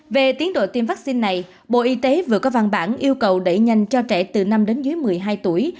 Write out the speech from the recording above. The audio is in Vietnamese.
về tiến độ tiêm vaccine này bộ y tế vừa có văn bản yêu cầu đẩy nhanh cho trẻ từ năm đến dưới một mươi hai tuổi